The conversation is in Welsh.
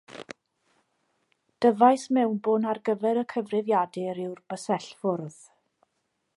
Dyfais mewnbwn ar gyfer y cyfrifiadur yw'r bysellfwrdd.